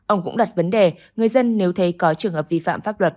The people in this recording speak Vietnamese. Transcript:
ông cũng đặt vấn đề người dân nếu thấy có trường hợp vi phạm pháp luật